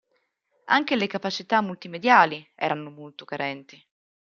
Anche le capacità multimediali erano molto carenti.